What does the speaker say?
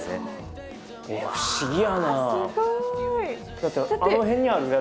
だってあの辺にあるやつ。